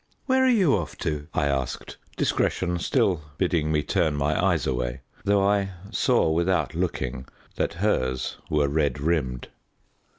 "Where are you off to?" I asked, discretion still bidding me turn my eyes away, though I saw, without looking, that hers were red rimmed.